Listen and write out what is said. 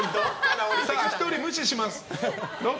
１人無視します。